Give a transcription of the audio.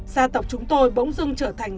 gia tộc chúng tôi bỗng dưng trở thành